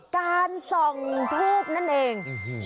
การส่องทูบนั่นเอง